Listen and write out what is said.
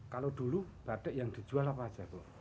kalau dulu batik yang dijual apa saja bu